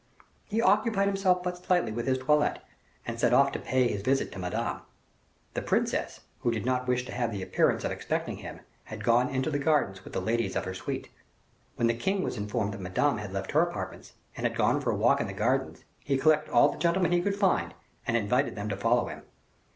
He occupied himself but slightly with his toilette, and set off to pay his visit to Madame. The princess, who did not wish to have the appearance of expecting him, had gone into the gardens with the ladies of her suite. When the king was informed that Madame had left her apartments and had gone for a walk in the gardens, he collected all the gentlemen he could find, and invited them to follow him.